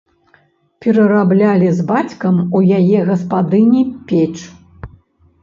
Перараблялі з бацькам у яе гаспадыні печ.